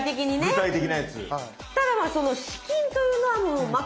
具体的なやつ。